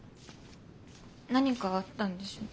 何かあったんでしょ？